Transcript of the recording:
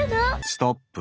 ストップ。